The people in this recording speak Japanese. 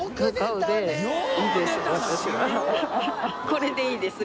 これでいいです。